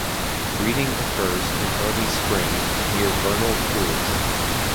Breeding occurs in early spring near vernal pools.